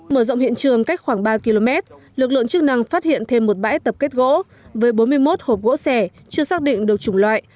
mở rộng hiện trường cách khoảng ba km lực lượng chức năng phát hiện thêm một bãi tập kết gỗ với bốn mươi một hộp gỗ sẻ chưa xác định được chủng loại